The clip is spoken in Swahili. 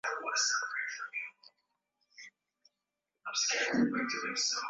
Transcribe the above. mfalme anawaagiza paka wake kwa ghafla kuamka juu ya kitanda